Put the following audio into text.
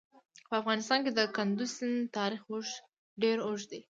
په افغانستان کې د کندز سیند تاریخ ډېر اوږد دی.